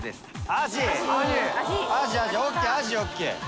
アジ ＯＫ アジ ＯＫ。）